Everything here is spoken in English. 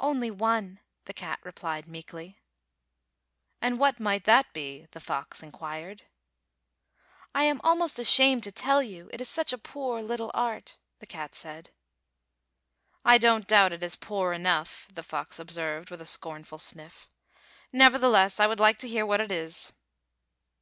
"Only one," the cat replied meekly. F airy T ale F oxes 213 "And what might that be?" the fox in quired. "I am almost ashamed to tell you, it is such a poor httle art," the cat said. "I don't doubt it is poor enough," the fox observed with a scornful sniff. "Neverthe less, I would like to hear what it is."